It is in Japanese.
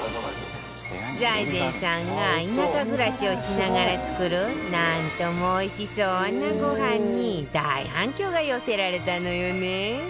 財前さんが田舎暮らしをしながら作るなんともおいしそうなごはんに大反響が寄せられたのよね